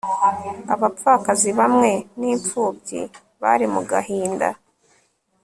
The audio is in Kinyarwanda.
abapfakazi hamwe n imfubyi bari mu gahinda